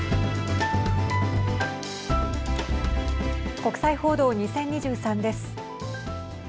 国際報道２０２３です。